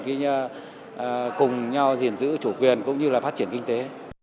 chúng tôi sẽ cùng nhau giữ chủ quyền cũng như phát triển kinh tế